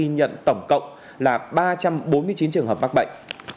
nhận tổng cộng là ba trăm bốn mươi chín trường hợp bác bệnh